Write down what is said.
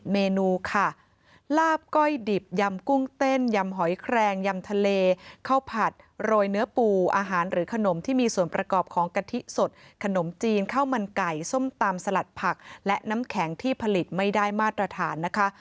เมนูค่ะลาบก้อยดิบยำกุ้งเต้นยำหอยแครงยำทะเลข้าวผัดโรยเนื้อปูอาหารหรือขนมที่มีส่วนประกอบของกะทิสดขนมจีนข้าวมันไก่ส้มตำสลัดผักและน้ำแข็งที่ผลิตไม่ได้มาตรฐานนะคะ